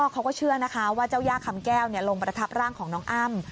เขาก็เชื่อนะคะว่าเจ้าย่าคำแก้วลงประทับร่างของน้องอ้ำ